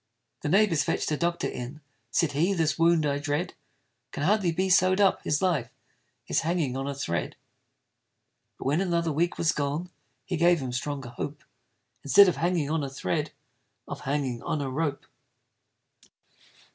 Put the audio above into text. The neighbors fetch'd a doctor in: Said he, this wound I dread Can hardly be sew'd up his life Is hanging on a thread. But when another week was gone, He gave him stronger hope Instead of hanging on a thread, Of hanging on a rope.